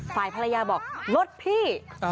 ฝ่ายภรรยาบอกรถพี่